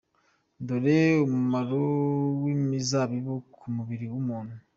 Dore umumaro w’imizabibu ku mubiri w’umuntu.